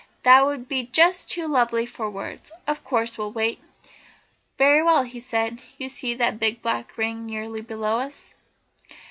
"That would be just too lovely for words of course we'll wait!" "Very well," he said; "you see that big black ring nearly below us?